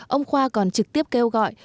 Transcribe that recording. ông khoa còn trực tiếp kêu gọi